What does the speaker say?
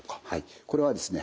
これはですね